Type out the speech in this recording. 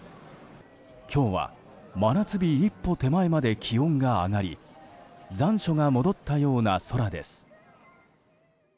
今日は真夏日一歩手前まで気温が上がり残暑が戻ったような空です。